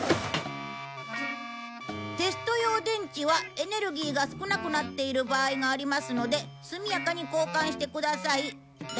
「テスト用電池はエネルギーが少なくなっている場合がありますのですみやかに交換して下さい」だって。